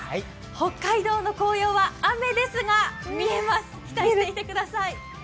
北海道の紅葉は雨ですが見えます、期待していてください。